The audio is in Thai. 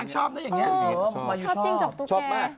ชอบจริงจกติ้งแก